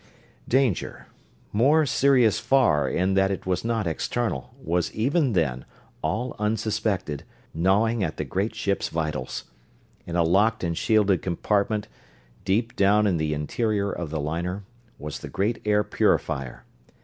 Danger more serious far in that it was not external was even then, all unsuspected, gnawing at the great ship's vitals. In a locked and shielded compartment, deep down in the interior of the liner, was the great air purifier.